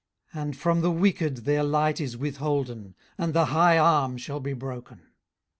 18:038:015 And from the wicked their light is withholden, and the high arm shall be broken.